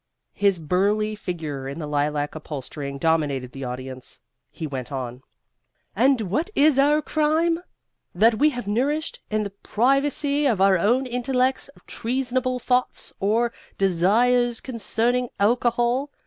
His burly figure in the lilac upholstering dominated the audience. He went on: "And what is our crime? That we have nourished, in the privacy of our own intellects, treasonable thoughts or desires concerning alcohol!